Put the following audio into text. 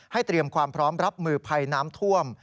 เตรียมความพร้อมรับมือภัยน้ำท่วม